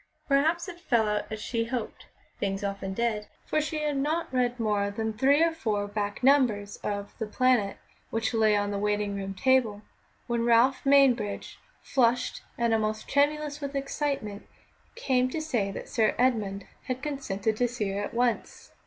Perhaps it fell out as she hoped (things often did), for she had not read more than three or four back numbers of The Planet, which lay on the waiting room table, when Ralph Mainbridge, flushed and almost tremulous with excitement, came to say that Sir Edmund had consented to see her at once.